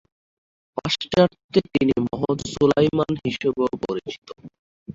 পাশ্চাত্যে তিনি মহৎ সুলাইমান হিসেবেও পরিচিত।